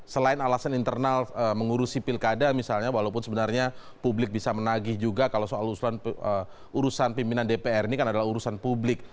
selain alasan internal mengurusi pilkada misalnya walaupun sebenarnya publik bisa menagih juga kalau soal urusan pimpinan dpr ini kan adalah urusan publik